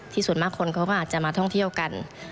ส่วนมากคนเขาก็อาจจะมาท่องเที่ยวกัน